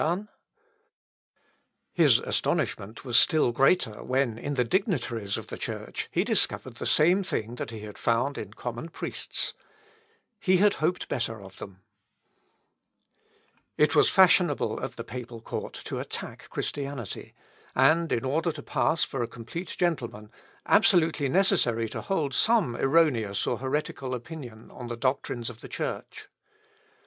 xix, von der Winkelmesse, Mathesius, 6. His astonishment was still greater when, in the dignitaries of the Church, he discovered the same thing that he had found in common priests. He had hoped better of them. It was fashionable at the papal court to attack Christianity, and, in order to pass for a complete gentleman, absolutely necessary to hold some erroneous or heretical opinion on the doctrines of the Church.